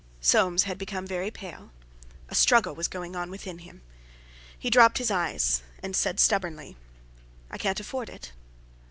Soames had become very pale—a struggle was going on within him. He dropped his eyes, and said stubbornly: "I can't afford it."